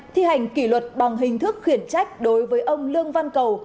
thi hành kỷ luật bằng hình thức khiển trách đối với ông lương văn cầu